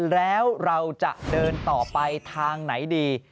แล้วเราจะเดินต่อไปทางไหนดี